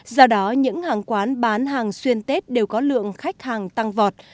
do đó những hàng quán bán hàng xuyên tết đều có lượng khách hàng tăng vọt